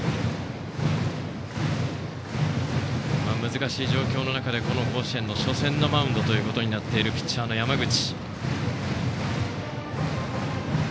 難しい状況の中で甲子園の初戦のマウンドということになっているピッチャーの山口。